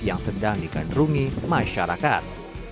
yang sedang digandrungi masyarakat